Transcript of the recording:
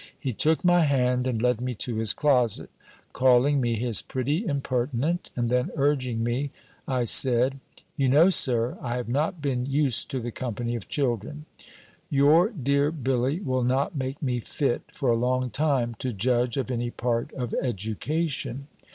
He took my hand, and led me to his closet, calling me his pretty impertinent; and then urging me, I said, "You know, Sir, I have not been used to the company of children. Your dear Billy will not make me fit, for a long time, to judge of any part of education.